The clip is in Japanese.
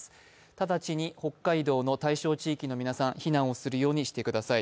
直ちに北海道の対象地域の皆さん、避難をするようにしてください。